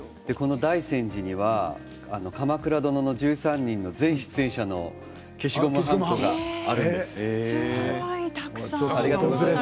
大泉寺には「鎌倉殿の１３人」全出演者の消しゴムはんこがあるんです。